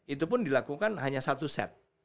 itu pun dilakukan hanya satu set